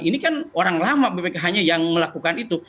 mungkin orang lama bpkh nya yang melakukan itu